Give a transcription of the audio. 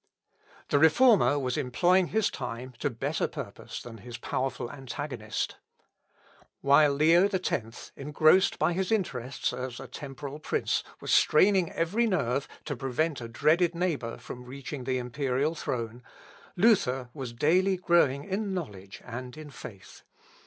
The Reformer was employing his time to better purpose than his powerful antagonist. While Leo X, engrossed by his interests as a temporal prince, was straining every nerve to prevent a dreaded neighbour from reaching the Imperial throne, Luther was daily growing in knowledge and in faith.